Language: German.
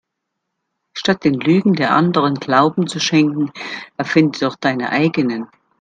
Statt den Lügen der Anderen Glauben zu schenken erfinde doch deine eigenen.